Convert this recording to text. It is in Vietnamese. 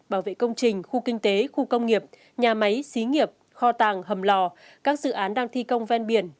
bảo vệ công trình khu kinh tế khu công nghiệp nhà máy xí nghiệp kho tàng hầm lò các dự án đang thi công ven biển